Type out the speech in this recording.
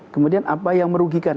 kemudian apa yang merugikan